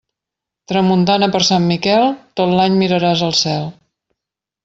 Tramuntana per Sant Miquel, tot l'any miraràs al cel.